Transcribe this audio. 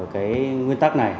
cái nguyên tắc này